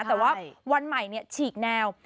แต่ว่าวันใหม่ฉีกแนว